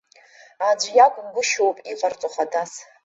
Аӡә иакәгәышьоуп иҟарҵо хадас.